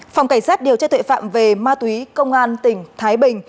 phòng cảnh sát điều tra tuệ phạm về ma túy công an tỉnh thái bình